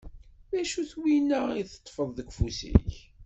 D acu-t winna i teṭṭfeḍ deg ufus-ik?